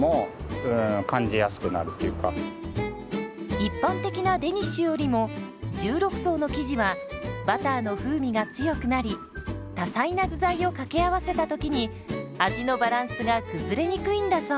一般的なデニッシュよりも１６層の生地はバターの風味が強くなり多彩な具材を掛け合わせた時に味のバランスが崩れにくいんだそう。